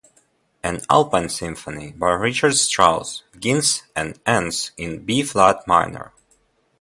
"An Alpine Symphony" by Richard Strauss begins and ends in B-flat minor.